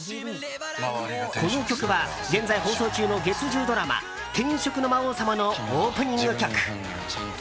この曲は現在放送中の月１０ドラマ「転職の魔王様」のオープニング曲。